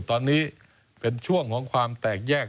ตอนนี้เป็นช่วงของความแตกแยก